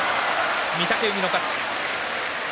御嶽海の勝ち。